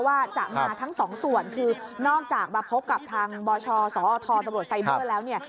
ว่าจะมาทั้งสองส่วนคือนอกจากมาพบกับทางบชสออทอตบไซเบอร์